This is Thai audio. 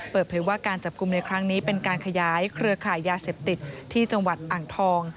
เปิดเผยว่าการจับกลุ่มในครั้งนี้เป็นการขยายเครือข่ายยาเสพติดที่จังหวัดอ่างทอง